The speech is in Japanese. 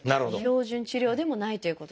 標準治療でもないということですね。